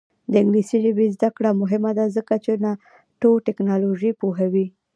د انګلیسي ژبې زده کړه مهمه ده ځکه چې نانوټیکنالوژي پوهوي.